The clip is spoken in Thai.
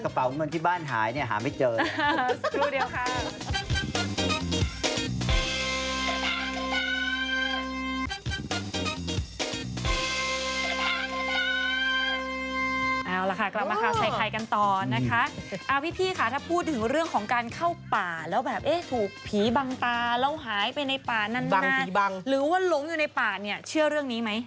กลับมาค่ะใส่ไขกันต่อนะคะพี่ค่ะถ้าพูดถึงเรื่องของการเข้าป่าแล้วแบบถูกผีบังตาแล้วหายไปในป่านั้นหรือว่าหลงอยู่ในป่าเนี่ยเชื่อเรื่องนี้ไหม